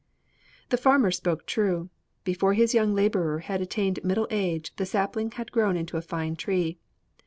"'The farmer spoke true; before his young laborer had attained middle age the sapling had grown into a fine tree.